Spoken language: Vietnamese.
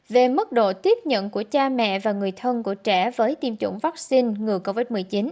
về mức độ tiếp nhận của cha mẹ và người thân của trẻ với tiêm chủng vaccine ngừa covid một mươi chín